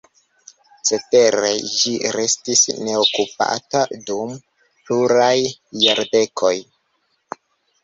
Cetere ĝi restis neokupata dum pluraj jardekoj.